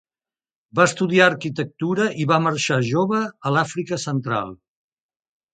Va estudiar arquitectura i va marxar jove a l'Àfrica Central.